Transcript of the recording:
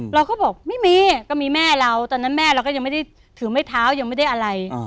เราก็บอกไม่มีก็มีแม่เราตอนนั้นแม่เราก็ยังไม่ได้ถือไม้เท้ายังไม่ได้อะไร